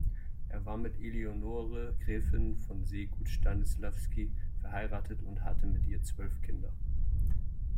Er war mit Eleonore Gräfin von Seeguth-Stanisławsky verheiratet und hatte mit ihr zwölf Kinder.